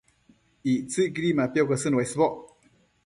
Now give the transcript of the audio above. Ictsëcquidi mapiocosën uesboc